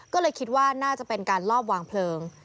ก็เลยคิดว่าน่าจะเป็นการลอบวางเพลิง